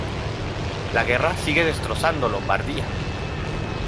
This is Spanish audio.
La guerra sigue destrozando Lombardía.